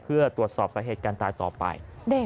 เพื่อตรวจสอบสาเหตุการตายต่อไป